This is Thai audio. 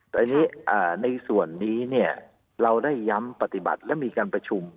แต่อันนี้ในส่วนนี้เนี่ยเราได้ย้ำปฏิบัติและมีการประชุม